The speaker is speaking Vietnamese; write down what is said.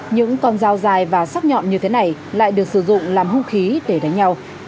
những con dao dài và sắc nhọn như thế này lại được sử dụng làm hung khí để đánh nhau